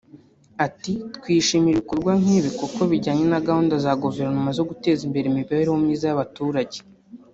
Ati “Twishimira ibikorwa nk’ibi kuko bijyanye na gahunda za Guverinoma zo guteza imbere imibereho myiza y’abaturage